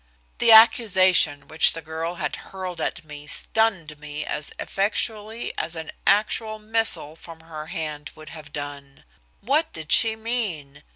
The accusation which the girl had hurled at me stunned me as effectually as an actual missile from her hand would have done. What did she mean?